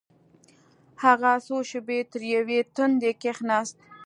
هغه څو شېبې تريو تندى کښېناست.